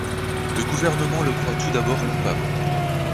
Le gouvernement le croit tout d’abord coupable.